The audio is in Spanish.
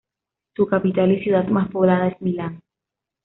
Su capital y ciudad más poblada es Milán.